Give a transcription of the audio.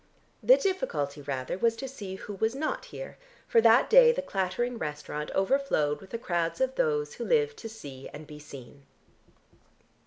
The difficulty rather was to see who was not here, for that day the clattering restaurant overflowed with the crowds of those who live to see and be seen.